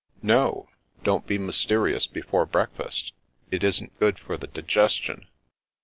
" No. Don't be mysterious before breakfast. It isn't good for the digestion."